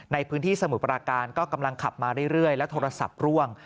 ในพื้นที่สมุทรปราการก็กำลังขับมาเรื่อยและโทรศัพท์ร่วง